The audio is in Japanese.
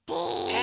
え